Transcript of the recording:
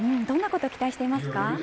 どんなことを期待しますか。